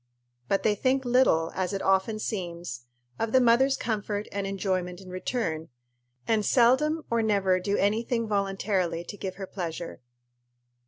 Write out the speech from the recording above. But they think little, as it often seems, of the mother's comfort and enjoyment in return, and seldom or never do any thing voluntarily to give her pleasure.